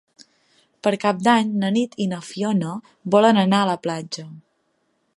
Per Cap d'Any na Nit i na Fiona volen anar a la platja.